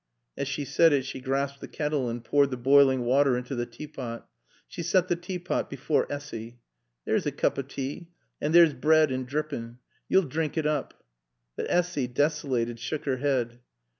As she said it she grasped the kettle and poured the boiling water into the tea pot. She set the tea pot before Essy. "There's a coop of tae. An' there's bread an' drippin'. Yo'll drink it oop." But Essy, desolated, shook her head.